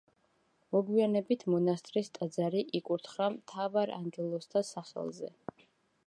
მოგვიანებით მონასტრის ტაძარი იკურთხა მთავარანგელოზთა სახელზე.